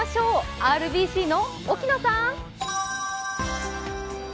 ＲＢＣの沖野さん。